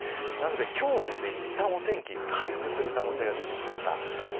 今日はいったん、お天気が回復する可能性が出てきました。